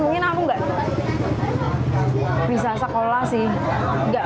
mungkin aku nggak bisa sekolah sih